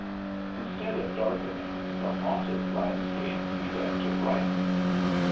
Instead of darkening, the haunted landscape began to brighten.